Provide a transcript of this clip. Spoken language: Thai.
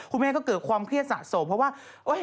แม่ก็เกิดความเครียดสะสมเพราะว่า